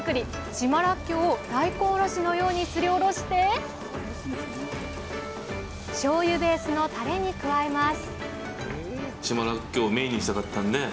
島らっきょうを大根おろしのようにすりおろしてしょうゆベースのタレに加えます